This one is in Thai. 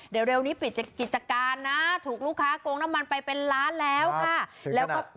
เดี๋ยวเร็วนี้ปิดกิจการนะถูกลูกค้าโกงน้ำมันไปเป็นล้านแล้วค่ะ